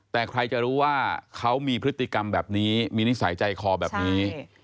แต่ใครจะรู้ว่าเขามีพฤติกรรมแบบนี้มีนิสัยใจคอแบบนี้